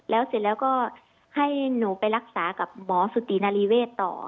แล้วเสร็จแล้วก็ให้หนูไปรักษากับหมอสุตินารีเวศต่อ